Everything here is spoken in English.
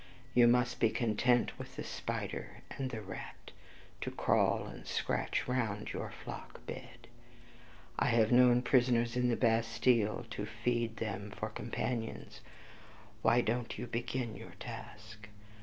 You must be content with the spider and the rat, to crawl and scratch round your flock bed! I have known prisoners in the Bastille to feed them for companions, why don't you begin your task?